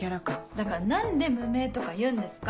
だから何で「無名」とか言うんですか！